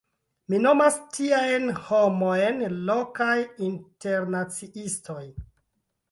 Mi nomas tiajn homojn “lokaj internaciistoj”.